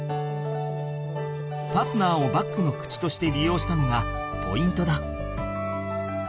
ファスナーをバッグの口としてりようしたのがポイントだ。